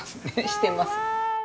してます。